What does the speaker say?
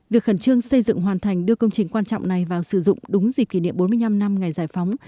việc khẩn trương xây dựng hoàn thành đưa công trình quan trọng này vào sử dụng đúng dịp kỷ niệm bốn mươi năm năm ngày giải phóng